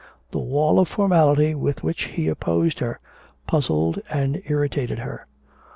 The wall of formality with which he opposed her puzzled and irritated her.